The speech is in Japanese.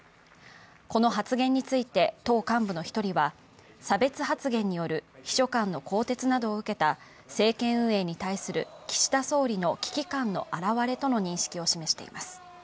この発言について、党幹部の一人は差別発言による秘書官の更迭などを受けた政権運営に対する岸田総理の危機感のあらわれとの認識を示しました。